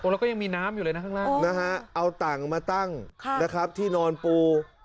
แล้วก็ยังมีน้ำอยู่เลยนะข้างล่างเอาต่างมาตั้งที่นอนปู